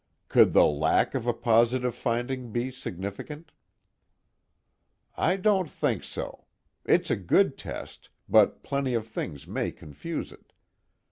"Could the lack of a positive finding be significant?" "I don't think so. It's a good test, but plenty of things may confuse it.